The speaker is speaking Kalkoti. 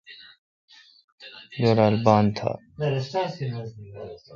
جولال بان تھا۔